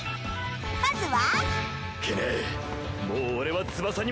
まずは。